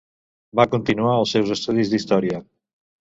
Va continuar els seus estudis d'història.